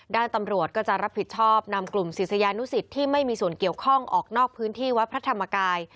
ตำรวจก็จะรับผิดชอบนำกลุ่มศิษยานุสิตที่ไม่มีส่วนเกี่ยวข้องออกนอกพื้นที่วัดพระธรรมกาย